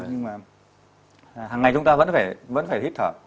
nhưng mà hàng ngày chúng ta vẫn phải hít thở